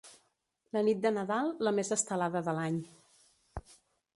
La nit de Nadal, la més estelada de l'any.